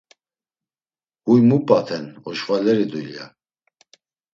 Huy mu p̌aten, oşvaleri dulya!